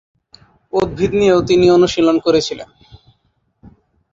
উদ্ভিদবিজ্ঞান নিয়েও তিনি অনুশীলন করেছিলেন।